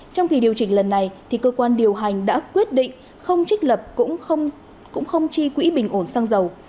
trong kỳ điều chỉnh lần này cơ quan điều hành đã quyết định không trích lập cũng không chi quỹ bình ổn xăng dầu